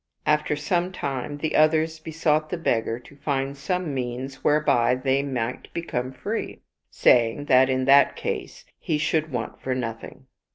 After some time the others besought the beggar to find some means whereby they might become free, saying that in that case he should want for nothing.